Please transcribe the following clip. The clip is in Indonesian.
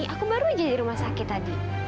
aku baru aja di rumah sakit tadi